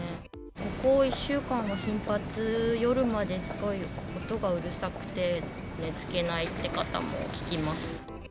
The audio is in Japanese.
ここ１週間は頻発、夜まですごい音がうるさくて、寝つけないって方も聞きます。